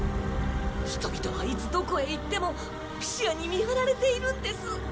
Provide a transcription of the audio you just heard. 人々はいつどこへ行ってもピシアに見張られているんです。